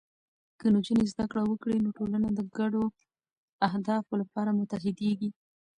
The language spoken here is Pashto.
که نجونې زده کړه وکړي، نو ټولنه د ګډو اهدافو لپاره متحدېږي.